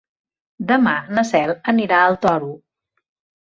Demà na Cel anirà al Toro.